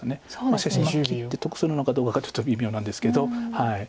しかし切って得するのかどうかがちょっと微妙なんですけど。